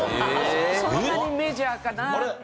そんなにメジャーかなって。